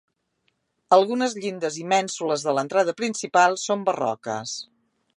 Algunes llindes i mènsules de l'entrada principal són barroques.